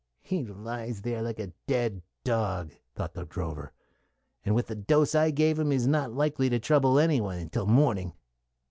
"He lies there like a dead dog," thought the drover; "and, with the dose I gave him, is not likely to trouble any one till morning."